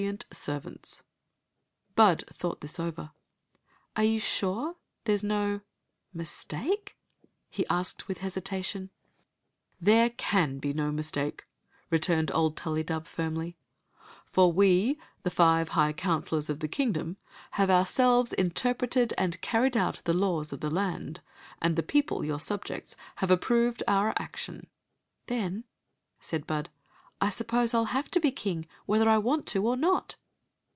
cnt servants." Bud thought this over. " Are you sure there s no mistake ?" he asked, with hesitattim. 64 Queen Zbd of Ix ; or, the "There can be no mistake, returned old Tullydub, firmly ;" for we, the five high counselors of the king dom, have ourselves interpreted and carried out the laws of the land, and the people, your subjects, have approved our action." "Then, said Bud, " I suppose 1 11 have to be king whether I want to or not."